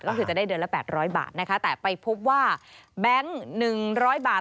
ก็คือจะได้เดือนละ๘๐๐บาทนะคะแต่ไปพบว่าแบงค์๑๐๐บาท